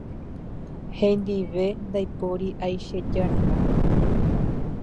Hendive ndaipóri aichejáranga